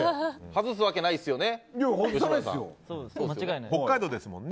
外すわけないですよね吉村さん。